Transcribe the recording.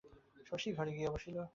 শশী ঘরে গিয়া বসিল।